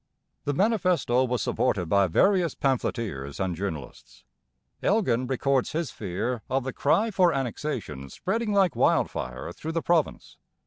The manifesto was supported by various pamphleteers and journalists. Elgin records his fear of the 'cry for Annexation spreading like wildfire through the province.'